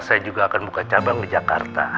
saya juga akan buka cabang di jakarta